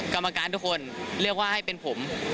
กรรมการทุกคนเรียกว่าให้เป็นผม